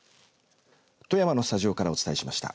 富山のスタジオからお伝えしました。